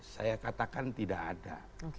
saya katakan tidak ada